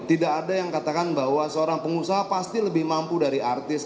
tidak ada yang katakan bahwa seorang pengusaha pasti lebih mampu dari artis